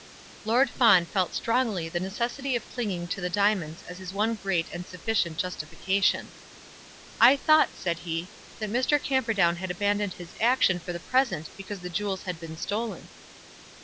Lord Fawn felt strongly the necessity of clinging to the diamonds as his one great and sufficient justification. "I thought," said he, "that Mr. Camperdown had abandoned his action for the present because the jewels had been stolen."